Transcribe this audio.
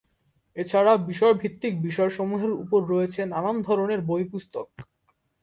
এছাড়া বিষয়ভিত্তিক বিষয় সমুহের উপর রয়েছে নানান ধরনের বই পুস্তক।